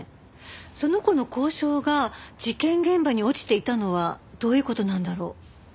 その子の校章が事件現場に落ちていたのはどういう事なんだろう？